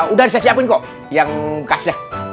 udah saya siapin kok yang khasnya